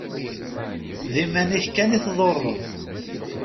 D iman-ik kan i tḍurreḍ.